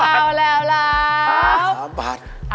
เอาแล้วแล้ว